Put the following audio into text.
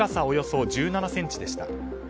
およそ１７ｃｍでした。